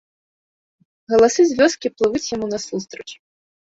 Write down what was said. Галасы з вёскі плывуць яму насустрач.